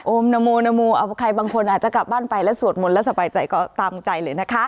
นโมนโมเอาใครบางคนอาจจะกลับบ้านไปแล้วสวดมนต์แล้วสบายใจก็ตามใจเลยนะคะ